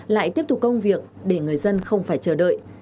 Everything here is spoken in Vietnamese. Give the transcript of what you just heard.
lại tiếp tục công việc để người dân không phải chờ đợi